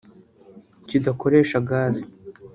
kidakoresha Gazi